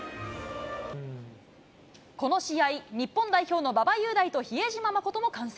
この試合、日本代表の馬場雄大と比江島慎も観戦。